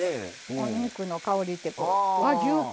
お肉の香りって和牛香